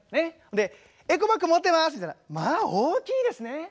で「エコバッグ持ってます」みたいな「まあ大きいですね！」。